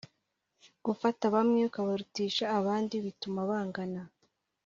gufata bamwe ukabarutisha abandi, bituma bangana